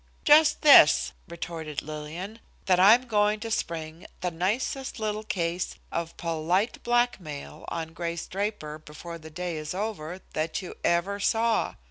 "Just this," retorted Lillian, "that I'm going to spring the nicest little case of polite blackmail on Grace Draper before the day is over that you ever saw.